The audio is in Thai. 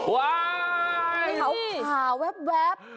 ว้ายค่ะค่ะแวบ